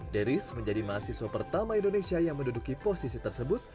deris menjadi mahasiswa pertama indonesia yang menduduki posisi tersebut